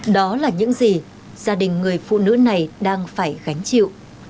đó là những gì gia đình người phụ nữ này đang phải gánh chịu